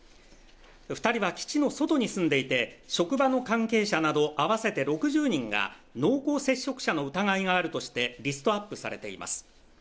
２人は基地の外に住んでいて職場の関係者など合わせて６０人が濃厚接触者の疑いがあるとしてリストアップされています。